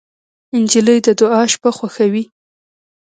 نجلۍ د دعا شپه خوښوي.